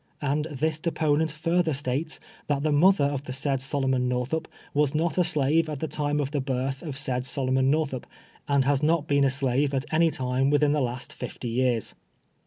And this deponent further states, that the mother of the said Solomon Northup was not a slave at the time of the birth of said Solomon North up, and has not been a slave at any time within the last fitly years.